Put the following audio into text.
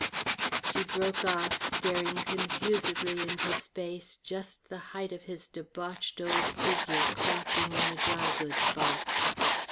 She broke off, staring confusedly into space just the height of his debauched old figure crouching on the dry goods box.